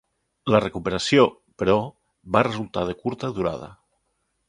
La recuperació, però, va resultar de curta durada.